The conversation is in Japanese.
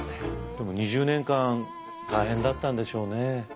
でも２０年間大変だったんでしょうねえ。